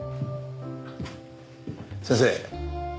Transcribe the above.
先生。